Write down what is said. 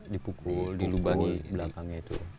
dikumpul dilubangi belakangnya itu